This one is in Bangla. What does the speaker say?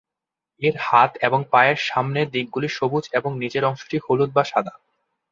এর হাত এবং পায়ের সামনের দিকগুলি সবুজ এবং নীচের অংশটি হলুদ বা সাদা।